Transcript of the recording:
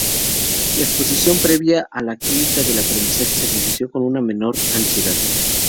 La exposición previa a la química del aprendizaje se asoció con una menor ansiedad.